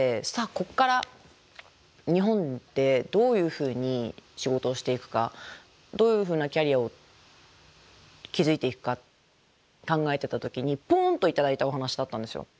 ここから日本でどういうふうに仕事をしていくかどういうふうなキャリアを築いていくか考えてた時にポンと頂いたお話だったんですよ。